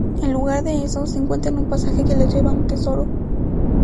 En lugar de eso, encuentran un pasaje que les lleva a un tesoro.